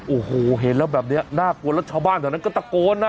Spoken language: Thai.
โอ้โหเห็นแล้วแบบนี้น่ากลัวแล้วชาวบ้านแถวนั้นก็ตะโกนนะ